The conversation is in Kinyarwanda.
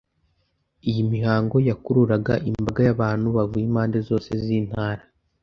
Iyi mihango yakururaga imbaga y’abantu bavuye impande zose z’intara.